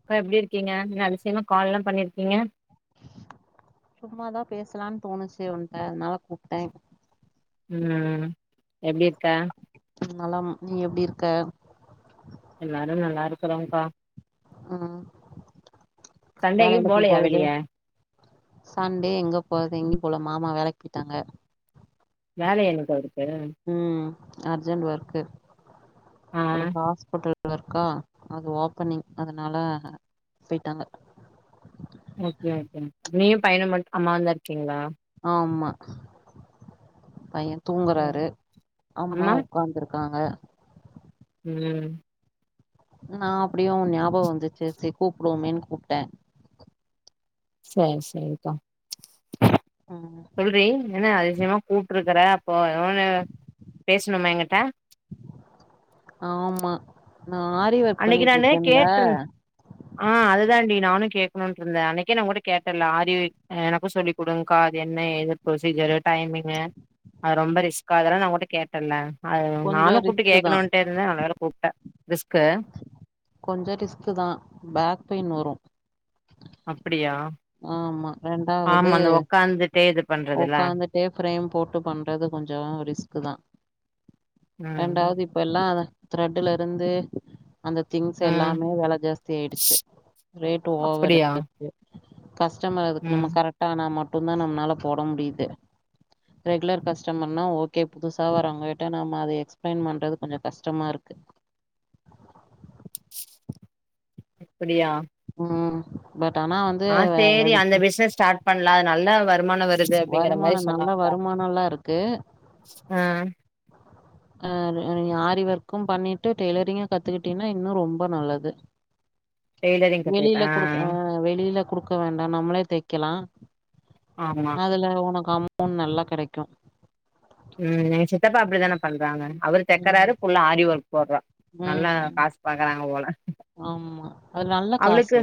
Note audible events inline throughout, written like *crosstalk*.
இப்ப எப்பிடி இருக்கீங்க அதிசயமா கால் எல்லா பண்ணிருக்கீங்க சும்மாதா பேசலான் தோணுச்சி உன்ட்ட அனால கூப்ட்டே ம் எப்பிடிர்க்கா நலம் நீ எப்பிடி இருக்க எல்லாரும் நல்லா இருக்குறோ கா ஆ சண்டே எங்கியு போலையா வெளிய சண்டே எங்க போறது எங்கியு போல மாமா வேலைக் போய்ட்டாங்க வேலையா இன்னிக்கு அவுருக் கு ம் அர்ஜென்ட் ஒர்க்கு ஆ ஒரு ஹாஸ்பிட்டல் ல்லா இருக்கா அது ஓபனிங் அதனால பேயிட்டாங்க ஓகே ஓகே நீயு பையனுமட் அம்மாவுந்தா இருக்கீங்களா ஆம்மா பைய சரி. தூங்குறாரு அம்மா உக்காந்துருக் காங்க ம் நா அப்பிடியு ஓ ஞாபக வந்துச்சி சே கூப்புடுவோமேன்னு கூப்ட சே சேக்கா ம் சொல்றி என்ன அதிசயமா கூப்புடுரு க்கற போ இவனு பேசணுமா எங்கிட்டா ஆமா நா ஆரி ஒர்க் அன்னிக்கு பண்ணிட்டு நானு இருக்கேன்ல கேட்டிருந் ஆ அதுதான்டி நானு கேட்குனுன்ட்ருந்த அன்னிக்கே நா ஒங்கிட்ட கேட்டல்ல ஆரிக் எனக்கு சொல்லி குடுங்கா அது என்ன ஏது ப்ரொசீஜரு டைமிங்கு அது ரொம்ப ரிஸ்கா அதெல்லா நா ஓங்கிட்ட கேட்டல்ல அது கொஞ்சோ நானு கூப்புட்டு ரிஸ்க்கு தா கேட்கணுட்டே இருந்தே நல்லவேல கூப்ட்ட க்க கொஞ்ச ரிஸ்க்குதா பேக் பெயின் வரு அப்பிடியா ஆமா ரெண்டாவது ஒக்காந்துட்டே இது பண்றதுல உக்காந்துட்டே பிரேம் போட்டு பண்றது கொஞ்சோ ரிஸ்க்கு தா ம் ரெண்டாவது இப்பெல்லா அத திரெட்டுல இருந்து அந்த திங்ஸ் ம் எல்லாமே வெல ஜாஸ்தி ஆயிடுச்சு ரேட் ஓவரு அப்டியா ஆயிருச்சு கஸ்டமர் அதுக்கு நம்ம ம் கரக்டனா மட் மட்டுந்தான் நம்மளால போட முடியிது ரெகுலர் கஸ்டமர்னா ஓகே புதுசா வர்றவங்கட்ட நம்ம அத எக்ஸ்பிளைன் பண்றது கொஞ்ச கஷ்டமாருக்கு அப்டியா ம் பட் ஆனா வந்து ஆ சேரி அந்த பிசினஸ் ஸ்டார்ட் பண்ணல அது நல்லா வருமான வர் வருமானம் நல்ல வருமானலோ இருக்கு ஆ ஆ ஆரி ஒர்க்கும் பண்ணிட்டு டெய்லரிங்கு கத்துக்கிடீன்னா இன்னு ரொம்ப நல்லது டெய்லரிங் கத்துக்கிட்ட வெளில குடுக் ஆ வெளில குடுக்க வேண்டா நம்மளே தைக்கலா ஆமா அதுல உனக்கு அம் போன் நல்லா கெடகும் ம் எங்க சித்தப்பா அப்டித்தானே பண்றாங்க அவர் ம் தைக்கறாரு புள்ள ஆரி ஒர்க் போடுறா நல்லா ம் ம். காசு பாக்றாங்க போல ஆமா அது நல்ல அவளுக்கு காசு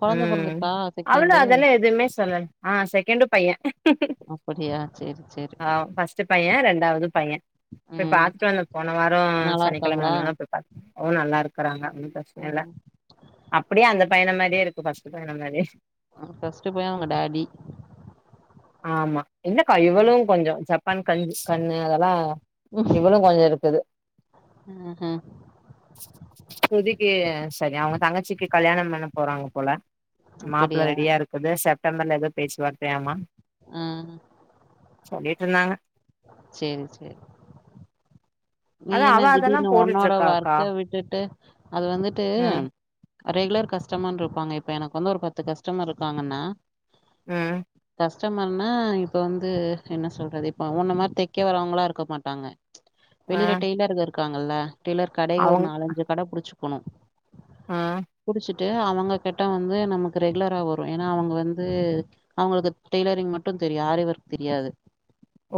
கொழந்த ம் பொறந்துருக்கா அவளு செகண்டு அதெல்லா எதுவுமே சொல்ல ஆ செகண்டு பையன் அப்புடியா ஆ பஸ்ட்டு பையன் ரெண்டாவதும் பையன் பேய் ம் பாத்துட்டு வந்த போன வாரம் நல்லா இருக்காங்களா சனிக்கிழமல பேய் பாத்துட் வந் ஓ நல்லா இருக்கறாங்க ஒன்னு பிரச்சன இல்ல ம் அப்டியே அந்த பையன மாரியே இருக்கு பஸ்ட் பையன மாரி அவர் பஸ்ட்டு பையன் அவுங்க டாடி ஆமா என்னக்கா இவ்வளோ கொஞ்சோ ஜப்பான் கஞ்ச் கண்ணு அதெல்லா இவளு கொஞ்சோ இருக்குது ம்ஹூம் ஸ்ருதிக்கு சரி அவே தங்கச்சிக்கு கல்யாணம் பண்ண போறாங்க போல மாப்ள அப்படியா ரெடியா இருக்குது ச தம்மள்ளது பேச்சுவார்த்தயாமா ஆ சொல்லிட்ருந்தாங்க சேரி சேரி நீ அதா அவ என்ன அதெல்லா திடீர்னு போட்டுட்டு ஒன்னோட இருக்காக்கா ஒர்க்க விட்டுட்டு அது வந்துட்டு ம் ரெகுலர் கஸ்டமருன்ருப்பாங்க இப்ப எனக்கு வந்து ஒரு பத்து கஸ்டமர் இருக்காங்கன்னா ம் கஸ்டமர்னா இப்ப வந்து என்ன சொல்றது இப்ப உன்ன மார் தெக்க வரவ்ங்ளா இருக்க மாட்டாங்க ஆ வெளில டெய்லர்கரு க்காங்கல்ல டெய்லர் கடைக ஒரு அவங்க நாலஞ்சு கட புடுச்சு க்கனு ஆ புடுச்சு ட்டு அவுங்க கிட்ட வந்து நமக்கு ரெகுலரா வரு ஏனா அவுங்க வந்து அவுங்களுக்கு டெய்லரிங் மட்டு‌ தெரியு ஆரி ஒர்க் தெரியாது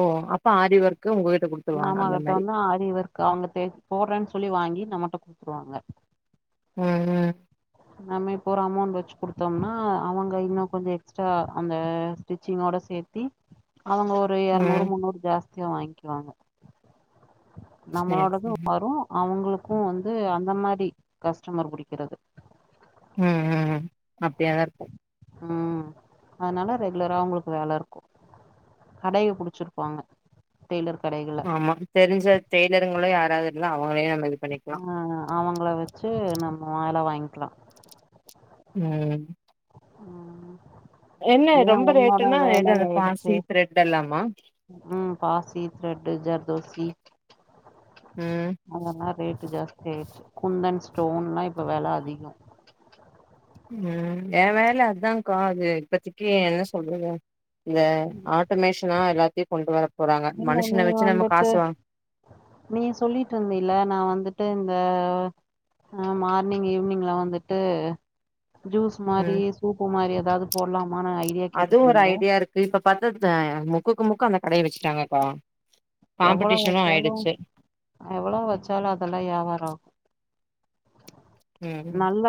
ஓ அப்ப ஆரி ஒர் நம்மகிட்ட வந்து ஆரி ஒர் க்கு அவுங்க தே போட்றேன் சொல்லி வாங்கி நம்மட்ட குத்துருவாங்க ம் ம் நம்ம இப்போ ஒரு அமௌண்ட் வச்சு குடுத்தோம்னா அவுங்க இன்னு கொஞ்சோ எக்ஸ்ட்ரா அந்த ஸ்டிச்சிங்கோட சேத்தி அவுங்க ஒரு ம் எர்நூறு முந்நூறு ஜாஸ் த்தியா வாங்க்கிவாங்க சேரி நம்மளோடது சேரி வரு அவுங்ளுக் கு வந்து அந்த மாரி கஸ்டமர் புடிக்கிறது ம் ம் அப்டியாதா இருக்கு ம் அதுனால ரெகுலரா அவுங்களுக்கு வேல இருக்கு கடய புடிச்சிருப்பாங்க டெய்லர் கடைகள ஆமா தெரிஞ்ச டெய்லருங்களு யா ராதெல்லா ஆ அவுங்ள வச்சு நம் வேல வாங்க்லா ம் என்ன ஏ ரொம்ப உன்னோட ரேட்டுன்னா எது அந்த வேலயாயிடுச்சு பாசி த்ரெட் எல்லாமா ம் பாசி த்ரெட்டு் ஜர்தோசி ம் அதெல்லா ரேட்டு ஜாஸ் தி ஆயிட்ச்சு குந்தன் ஸ்டோன்லா இப்ப வெல அதிகோ ம் ஏ வேல அதாக்கா அது இப்பத்தக்கி என்ன சொல்றது இந்த ஆட்டோமேஷனா எல்லாத்தையு கொண்டு வர போறாங்க இல்ல நீ மனுஷன வச்சு நம்ம வந்துட்டு காசு வாங் நீ சொல்லிட்ருந்தீல நா வந்துட்டு இந்த மார்னிங் ஈவ்னிங்ல வந்துட்டு ஜூஸ் மாரி ம் சூப்பு மாரி எதாவ்து போட்லாமானு ஐடியா அதுவு ஒரு கேட்டுட்ருந்தே கு அந்த கடைய வச்டாங்கக்கா எவ்வளொ வச்சாலு எவளொ வச்சாலு அதெல்லா யாவாரொ ஆவு ம் நல்ல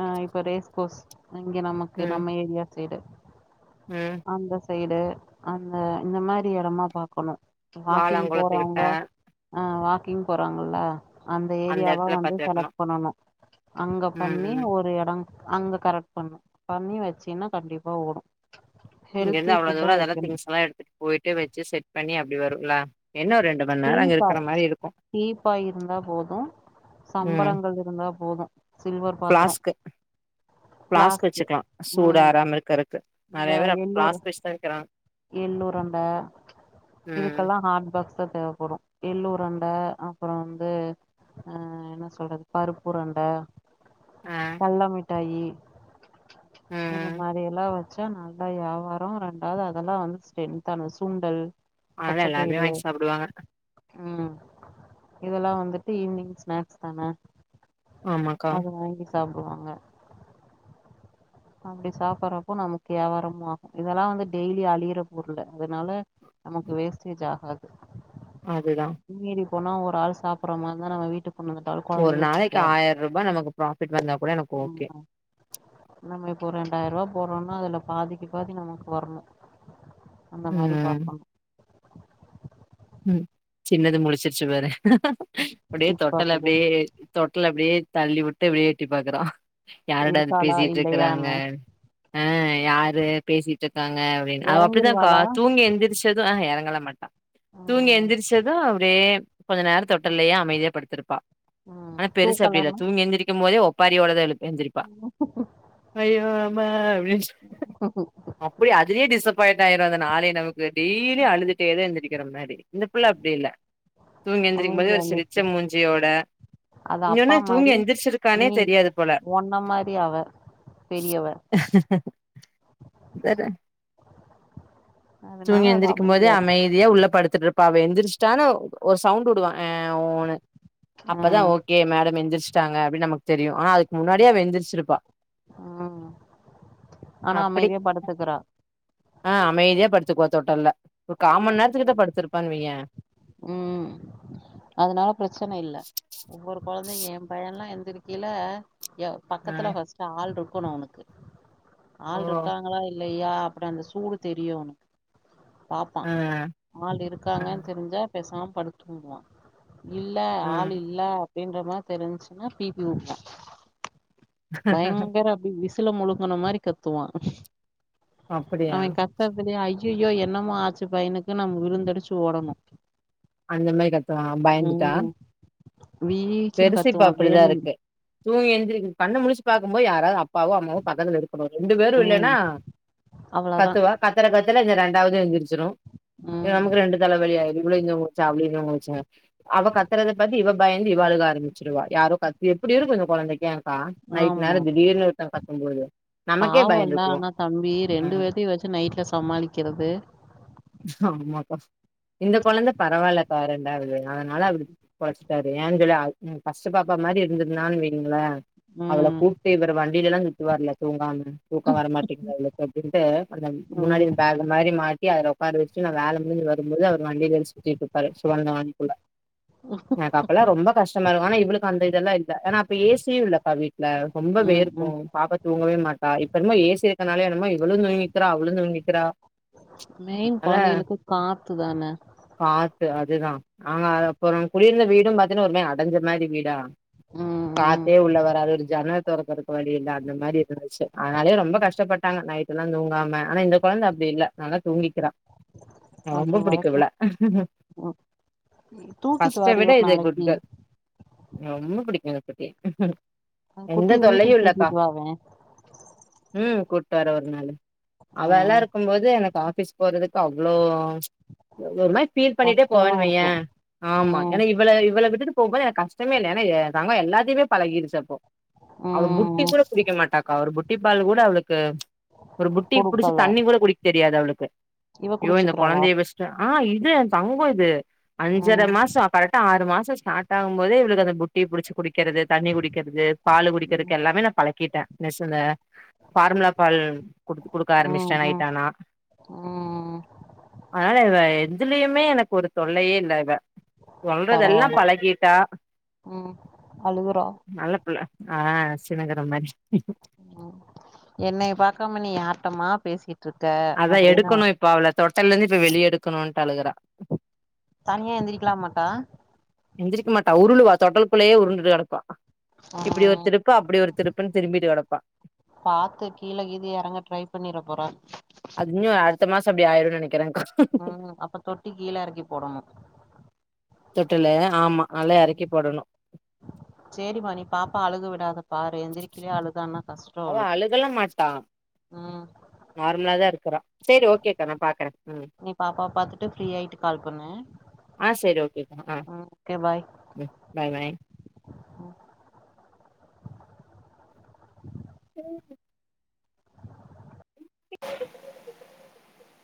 அ‌ இப்ப ரேஸ்கோஸ் அங்கெ நமக்கு ம் நம்ம ஏரியா சைடு ம் அந்த சைடு அந்த இந்த மாரி எடமா பாக்கனு வாக்கிங் வாலாங்குளத்துக்கிட்ட போறவ்ங்க ஆ வா க்கிங் போறாங்கள்ல அந்த ஏரியாவா எடத்துல வந்து பாத்து வைக்கணு செலக்ட் பண்ணனு அங்க ம் பண்ணி ம் ஒரு எட அங்க கரெட் பண்ணு பண்ணி வச்சீன்னா கண்டிப்பா ஓடு இங்கெர்ந்து ஹெல்த்தி அவ்ள ஃபுட்டா தூரொ அதெல்லா வைக்கணு திங்ஸ் எல்லா எடுத்துட்டு போயிட்டு வச்சு செட் பண்ணி அப்டி வரு ங்ளா தீபாய் தீபாய் இருந்தா போது ம் சம்பரங்கள் இருந்தா போது சில்வர் பாத்துரொ ஃபிளாஸ்க்கு வச்சுக்லா சூடு ஆறாம இருக்குறக்கு இந்த எள்ளூரு எள்ளுருண்ட ம் இதுக்கெல்லா ஹாட் பாக்ஸ் தா தேவப்படு எள்ளுருண்ட அப்றொ வந்து ஆ என்ன சொல்றது பருப்புருண்ட ஆ கல்ல மி ட்டாயி இது ம் மாரி எல்லா வ ச்சா நல்லா யாவாரோ ரெண்டாது அதெல்லா வந்து ஸ்டெந்தான சுண்டல் அத எல்லாருமே பச்சப்பயிறு வாங்கி சாப்புடுவாங்க ம் இதெல்லா வந்துட்டு ஈவ்னிங் ஸ்நாக்ஸ் தான ஆமாக்கா அது வாங்கி சாப்டுவாங்க அப்டி சாப்பாறப்போ நமக்கு யாபாரமு ஆகும் இதெல்லா வந்து டெய்லி அழியிற பொருளு அதுனால நமக்கு வேஸ்டேஜ் ஆகாது அதுதா போன ஒரு ஆள் சாப்புற மாந்தா நங்க வீட்டுக் ஒரு நாளைக்கு ஆய ரூபா நமக்கு பிராஃபிட் வந்தா கூட எனக்கு ஓகே ம் நம்ம இப்போ ரெண்டாய ரூபா போடுறோன்னா அதுல பாதிக்கு பாதி நமக்கு வரணு அந்த மாரி ம் பாக்கனு ம் சின்னது முழிச்சிருச்சு பாரு அப்டியே யோசிச்சு தொட்டல பாத்துக்க அப்டியே தொட்டல அப்டியே தள்ளி உட்டு அப்டியே எட்டி பாக்குறா யாருட அது இருக்காளா பேசிட்டு இருக்குறாங்க இல்லையான்னு யாரு பேசிட்டுருக்காங்க அப்டின்னு அவ அப்டிதா கா இறங்கிருவாளா தூங்கி எழுந்திரிச்சது ஹ எறங் கல மட்டா தூங்கி ம் எந்திரிச்சதும் அப்டியே கொஞ்ச நேர தொட்டுல்லயே அமைதியா படுத்திருப்பா ம் ஆனா பெருசு அப்டில்ல தூக்கலன்னா தூங்கி எழுந்திரிக் கிம்போதே ஒப்பாரியோட தா எழுத் எந்திரிப்பா அய்யோ மாய் மீன்ஸ் அப்டியே அதுலயே டிசன் போயிட்ட ஆயிரு அதுனாலே நமக் டெய்லு அழுதுட்டே தா எந்திரிக் கிற மாரி இந்த புள்ள அப்டி இல்ல தூங்கி எழுந்திரிக் போதே அமைதியா ஒரு சிரிச்ச இருந்துச்சு மூஞ்சியோட அது இங்க அப்பா ஒன்னு தூங்கி மாரி எந்திரிச்சிருக்கானே நீ தெரியாது போல ஒன்ன மாரி அவ பெரியவ அதனால தூங்கி அது எந்திரிக்கும் போதே இருக்கு அமைதியா உள்ள படுத்துட்டுருப் பா அவ எந்திரிச்சுட்டான்னு ஒரு சவுண்ட் உடுவா ஆ ஊனு அப்பதா ம் ஓகே மேடம் எந்திரிச் டாங்க அப்டினு நமக்கு தெரியு ஆனா அதுக்கு முன்னாடியே அவ எந்திரிச்சிருப்பா ம் ஆனா அமைதியா படுத்துக்குறா அ அமைதியா படுத் துக்கு வா தொட்டில்ல ஒரு காமண் நேரத்து கிட்ட படுத்திருப்பானு வையேன் ம் அதுனால பிரச்சனை இல்ல ஒவ்வொரு கொழந் அ என் பையல்லா எந்திருக்கேல எ ஆ பக்கத்துல ஃபஸ்ட் ஆள் இருக்கு குணு அவனுக்கு ஓ ஆள் இருக்காங்களா இல் இல்லையா அப்ட அந்த சூடு தெரியு பாப்பா ஆ ஆள் ஆ இருக்காங்கன்னு தெரிஞ்சா பேசாம படுத்து தூங்குவா இல்ல ஆ ஆள் இல்ல அப்டின்ற மாதிரி தெரிஞ்சச்சுன்னா பிபி ஊதுவா பயங்கர அப்டி வீஸ் விசில முழுங்கன மாரி கத்துவா அப்டியா அவெ கத்துறதுலயே ஐ ஐயயோ என்னமோ ஆச்சு பையனுக்கு நம்ம விருந்தடிச்சு ஓடணு அந்த மாதிரி கத் ஆ பயந்துட்டா வீச்சுன்னு பெருசு இப்ப கத்துவான் அப்படிதா வேணும்னு இருக்கு தூங்கி எழுந்த் கண்ண முழிச் பாக்கும் போது யாராவது பாவோ அம்மாவு பக்கத்துல இருக்கணு ரெண்டு பேரு இல்லன்னா ம் அவ்வளோதான் கத்துவா கத்துற கத்துல இந்த ரெண்டு அதாது எந்துறுச்சு சுரு இது ம் நமக்கு ரெண்டு தலைவலி ஆயிரு இவ்ளங்கச்சா அவளனுங்கச்ச அவ கத்தறத பாத்து இவ பயந் தீபா அழுக ஆரம்பிச்சிருவா யாரும் கத்தி எப்டி இருக்கு அந்த கொழந்தைக்கி பா நய்ட்டு நேரோ ஆமா திடீர்ன்னு *unintelligible* ம்போடய பாவம்ல ஆனா தம்பி ரெண்டு ம் பேத்தையு வச்சு நைட்ல சமாளிக்கிறது ஆமாக்கா இந்த கொழந்த பரவாயில்ல கா ரெண்டாவது அதனால அவரு பொழச்சுப்பாரு ஏன்கலே ஃபஸ்டு பாப்பா மாதிரி இருந்தான்னு வைங்களே அவள ம் கூட்டு இவர் வண்டியிலல்லா வர்ல தூங்காம தூக்கம் வர மாட்டேங்கிது அவளுக்கு அப்டின்ட்டு படுக முன்னாடி ம் இந்த பேக் மாரி மாட் யாரோ உக்கார வச்சிட்டு நா வேல முடிஞ்சி வரும்போது அவரு வண்டியில சுத்திட்டு உக்கார வச்சி இவன்தா ஆன்புள்ள *inaudible* அப்பலா ரொம்ப கஷ்டமா இருக்கும் ஆனா இவளுக்கு அந்த இதல்லா இல்ல ஆனா அப்ப ஏசியும் இல்லக்கா வீட் ல ரொம்ப ம் ம் வேர்க்கும் பாப்ப தூங்கவே மாட்டா இப்ப என்மோ ஏசி இருக்கனாலே என்னமோ இவளு தூங்கி கிறா அவளு தூங்கிகிறா மெயின் அதனால கொழந்தைகளுக்கு காத்து தான கா ட்டு அதுதான் ஆ அப்புறம் குடியிருந்த வீடும் கா தின ஒருமே அடைஞ்ச மாரி வீடா ம் ம் காத்தே உள்ள வராதா ஒரு ஜனல் தொறக்கர வழி இல்ல அந்த மாரி இருந்துச்சு அதனாலே ரொம்ப கஷ்டப்பட்டாங்க நைட் இதுலாம் தூங்காம ஆனா இந்த கொழந்த அப்டி இல்ல நல்லா தூங்கிக்கிறா ரொம்ப அது புடிக்கும் வரைக்கு இவல ம் தூக்கிட்டு ஃபஸ்ட்ட வாடி விட ஒரு இது குட் நாளைக்கு த ரொம்ப பிடிக்கும் குட்டி தா குட்டிய வீட்டுக்கு தூக்கிட்டுவாவே ம் கூட்டு வர ஒரு நாளு அவ எல்லா இருக்கமோது எனக் த ஆபீஸ் போறதுக்கு அவ்ளோ ஒரு நா பீல் பண்ணிட்டே கஷ்டமா போவேன் இருக்கு வையன் ஆமா ம் ஏனா இவள இவள விட் டுட்டு போக போது எனக்கு கஷ்டமே இல்ல ஏனா ஏ தங்கம் எல்லாத்தையமே பழகிடுச்சி அப்போ அவன் புட்டி ம் கூட புடிக்க மாட்டாக்கா அவரு புட் புட்டிபால் கூட அவளுக் க்கு ஒரு புட்டிய புடிச்சி குடுக்கல தண்ணி கூட குடிக் தெ முடியாது அவளுக்கு இவ ஜயோ இந்த குடிச்சுக்கிறாளா கொழந்தைய வச்ட்டு ஆ இது என் தங்கம் இது ம் அஞ்சர மாசம் கரெட்டா ஆறு மாச ஸார்ட் ஆவு போதே இவங்களுக்கு அந்த புட்டிபுடிச் குடிக் குடிக்கிறது தண்ணி குடிக்கிறது பால் ம் குடிக்கிறதுக்கு எல்லாமே நா பழக்கிட்டே பேசல ஃபார்முலா பால் கு குடுக்க ம் ஆரம்பிச்சிட்டே நைட் ம் ஆனா ம் ஆனா இவ எதுலயுமே எனக்கு ஒரு தொல்லையே இல்ல இவ சொல்றதெல்லா பரவால்ல பழ கா ம் அழுகுறா நல்ல பிள்ள ஆ சினுங்குற மாரி ம் என்னைய பாக்காம நீ யார்ட்டமா பேசிட்டு இருக்க அதா அப்டின்னு அவ எடுக்கணு இப்ப அவள தொட்டல்ல இருந்து இப்ப வெளிய எடுக்கணும்ட்டு அழுகுறா தனியா எழுந்திரிக்கலாமட்டா எஞ்திரிக்கக்க மாட்டா உருளுவா தொட்டல்க்குள்ளேயே உருண்டுட்டு கடப்பா இப்டி ஒரு ம் திருப்பு அப்டி ஒரு திருப்புன்னு திரும்பிட்டு கடக்கு ப்ப பாத்து கீழே கீது எறங்க ட்ரை பண்ணிர போறா அதுன்னு அடுத்த மாசோ அப்டி ஆயிரு நினைக்கிறே ம் அப்ப தொட்டி கீழே எறக்கி போடணு தொட்டிலு ஆமா அதுலா எறக்கி போடணு சேரிம்மா நீ பாப்பா அழுக விடாத பாரு எந்திரிக்கலயே அழுதான்னா கஷ்டோ அவ அவளுக்கு அமுகல்லா மாட்டா ம் நார்மலா தா இருக்கிறா சரி ஓகே அக்கா நா பாக்குறே ம் நீ பாப்பா பாத்துட்டு ஃப்ரீ ஆயிட்டு கால் பண்ணு ஆ சேரி ஓகேக்கா ஆ ஓகே பாய் ம் பாய் பாய் *inaudible* *inaudible*